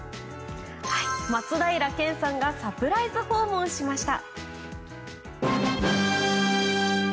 松平健さんがサプライズ訪問しました。